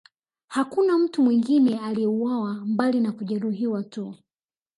Hakuna mtu mwingine aliyeuawa mbali na kujeruhiwa tu